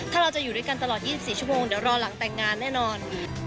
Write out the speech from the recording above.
ถ้าเราจะอยู่ด้วยกันตลอด๒๔ชั่วโมงเดี๋ยวรอหลังแต่งงานแน่นอน